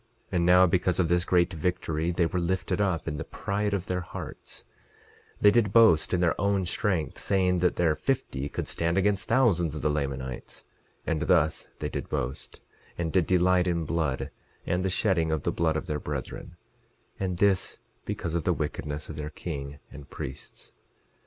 11:19 And now, because of this great victory they were lifted up in the pride of their hearts; they did boast in their own strength, saying that their fifty could stand against thousands of the Lamanites; and thus they did boast, and did delight in blood, and the shedding of the blood of their brethren, and this because of the wickedness of their king and priests.